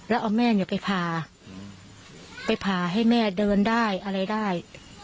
แล้วเอาแม่เนี่ยไปผ่าไปผ่าให้แม่เดินได้อะไรได้